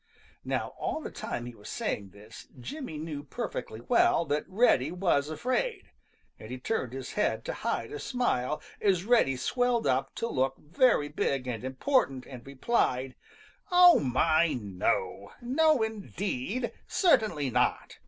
Now all the time he was saying this, Jimmy knew perfectly well that Reddy was afraid, and he turned his head to hide a smile as Reddy swelled up to look very big and important and replied: "Oh, my, no! No, indeed, certainly not!